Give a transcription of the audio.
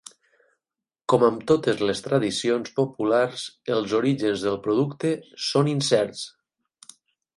Com amb totes les tradicions populars, els orígens del producte són incerts.